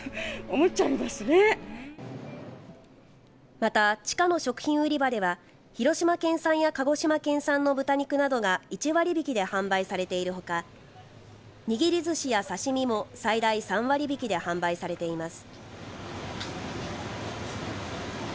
また、地下の食品売り場では広島県産や鹿児島県産の豚肉などが１割引で販売されているほかおにぎりずしや刺し身も最大３割引で販売されています。